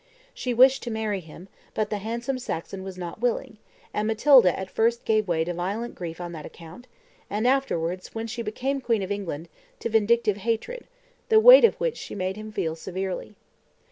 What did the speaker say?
She wished to marry him, but the handsome Saxon was not willing; and Matilda at first gave way to violent grief on that account, and afterwards, when she became queen of England, to vindictive hatred, the weight of which she made him feel severely.